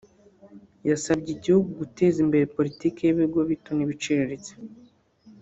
yasabye igihugu guteza imbere politiki y’ibigo bito n’ibiciriritse